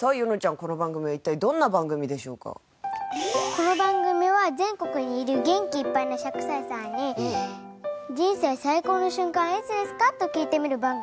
この番組は全国にいる元気いっぱいな１００歳さんに「人生最高の瞬間はいつですか？」と聞いてみる番組です。